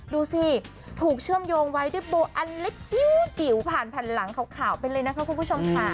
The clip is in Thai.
ดูสิถูกเชื่อมโยงไว้ด้วยโบอันเล็กจิ๋วผ่านแผ่นหลังขาวไปเลยนะคะคุณผู้ชมค่ะ